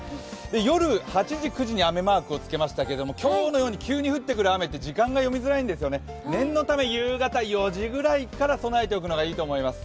夜８時、９時に雨マークをつけましたけど、今日のように急に降ってくる雨って時間が読みづらいんですよね、念のため夕方４時ぐらいから備えておくのがいいと思います。